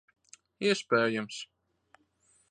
Iespējams.